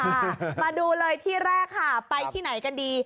มาดูเลยที่แรกค่ะไปที่ไหนกันดี